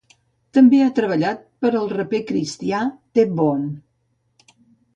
També ha treballat per al raper cristià T-Bone.